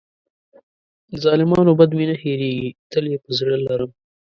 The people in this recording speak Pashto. د ظالمانو بد مې نه هېرېږي، تل یې په زړه لرم.